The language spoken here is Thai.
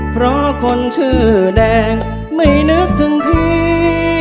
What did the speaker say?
เพราะคนชื่อแดงไม่นึกถึงพี่